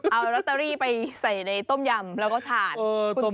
เอาลอตเตอรี่ไปใส่ในต้มยำแล้วก็ทาน